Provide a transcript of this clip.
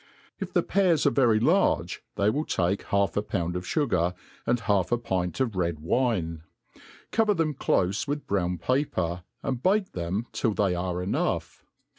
If the pears are very large, they will take half a pound of fugar, and half a pint of red wine ; cover them clofe with brown paper, and bake them till they are enough.